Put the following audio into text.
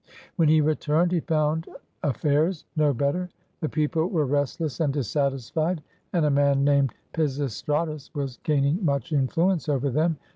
When he returned, he found affairs no better. The people were restless and dissatisfied, and a man named Pisistratus was gaining much influence over them.